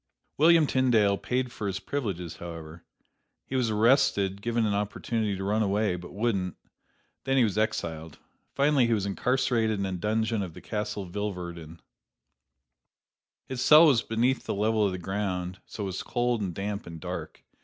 William Tyndale paid for his privileges, however. He was arrested, given an opportunity to run away, but wouldn't; then he was exiled. Finally he was incarcerated in a dungeon of the Castle Vilvoorden. His cell was beneath the level of the ground, so was cold and damp and dark.